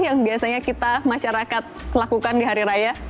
yang biasanya kita masyarakat lakukan di hari raya